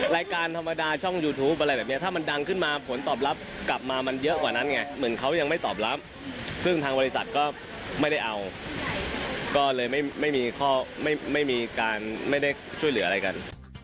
รายการธรรมดาช่องยูทูปอะไรแบบนี้ถ้ามันดังขึ้นมาผลตอบรับกลับมามันเยอะกว่านั้นไงเหมือนเขายังไม่ตอบรับซึ่งทางบริษัทก็ไม่ได้เอาก็เลยไม่มีข้อไม่มีการไม่ได้ช่วยเหลืออะไรกัน